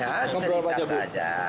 ya cerita saja